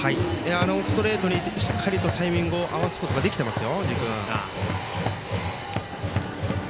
あのストレートにしっかりとタイミングを合わすことができていますよ。